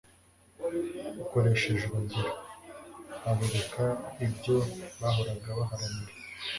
Akoresheje urugero, abereka ibyo bahoraga baharanira,